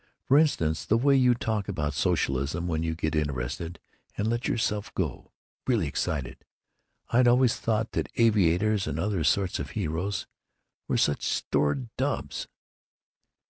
For instance, the way you talk about socialism when you get interested and let yourself go. Really excited. I'd always thought that aviators and other sorts of heroes were such stolid dubs."